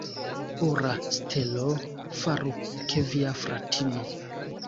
Ora stelo, faru, ke via fratino.